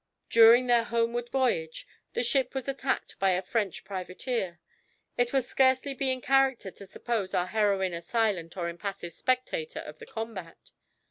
During their homeward voyage the ship was attacked by a French privateer. It would scarcely be in character to suppose our heroine a silent or impassive spectator of the combat.